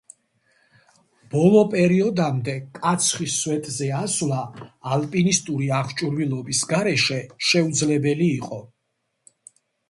ბოლო პერიოდამდე კაცხის სვეტზე ასვლა ალპინისტური აღჭურვილობის გარეშე, შეუძლებელი იყო.